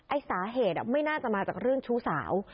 สาเหตุไม่น่าจะมาจากเรื่องชู้สาว